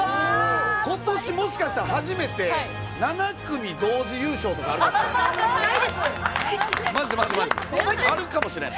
ことし、もしかしたら、初めて、７組同時優勝とかあるかもしれない。